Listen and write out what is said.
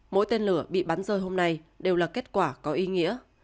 mỗi tên lửa bị bắn rơi hôm nay đều là kết quả có ý nghĩa